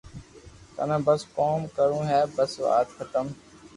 ٿني بس ڪوم ڪرو ھي بس وات ختم